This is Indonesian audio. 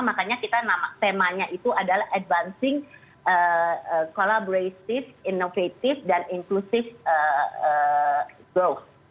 makanya kita namakan temanya itu adalah advancing collaborative innovative dan inclusive growth